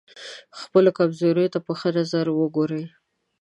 خپلو کمزوریو ته په ښه نظر وګورئ.